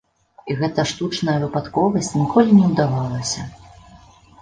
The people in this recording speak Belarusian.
І гэтая штучная выпадковасць ніколі не ўдавалася.